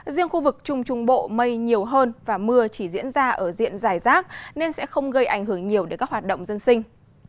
riêng khu vực trung trung bộ mây nhiều hơn và mưa chỉ diễn ra ở diện dài rác nên sẽ không gây ảnh hưởng nhiều đến các hoạt động dân sinh